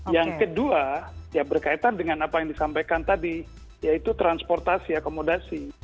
yang kedua ya berkaitan dengan apa yang disampaikan tadi yaitu transportasi akomodasi